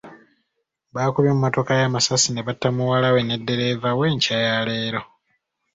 Baakubye emmotoka ye amasasi ne batta muwala we ne ddereeva we enkya ya leero.